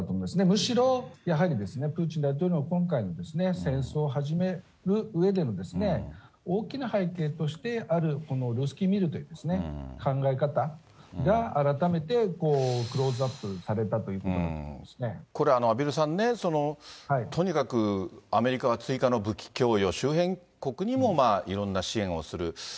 むしろ、やはりプーチン大統領、今回の戦争を始めるうえでの大きな背景としてあるこのルースキー・ミールという考え方が、改めてクローズアップされたということこれ、畔蒜さんね、とにかくアメリカが追加の武器供与、周辺国にもいろんな支援をする。